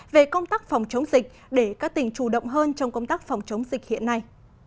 về công tác phòng chống dịch để các tỉnh chủ động hơn trong công tác phòng chống dịch hiện nay